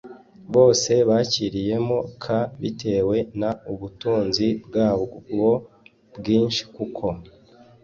bose bakiriyemo k bitewe n ubutunzi bwawo bwinshi kuko